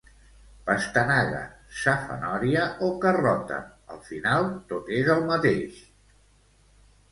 Pastanaga, safanòria o carrota, al final tot és el mateix.